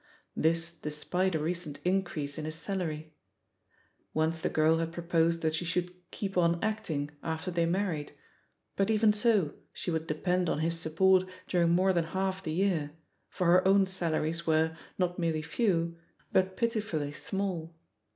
This, despite a recent increase in his salary. Once the girl had proposed that she should keep on acting'* after they married, but, even so, she would depend on his support during more than half the year, for her own salaries were, not merely few, but pitifully small.